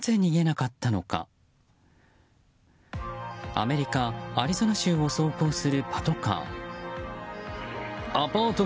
アメリカ・アリゾナ州を走行するパトカー。